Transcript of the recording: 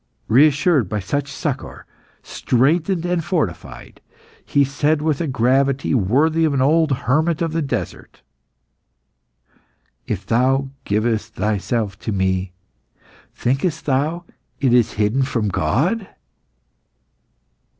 Reassured by such succour, strengthened and fortified, he said with a gravity worthy of an old hermit of the desert "If thou givest thyself to me, thinkest thou it is hidden from God?"